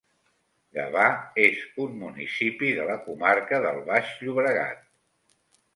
Gavà és un municipi de la comarca del Baix Llobregat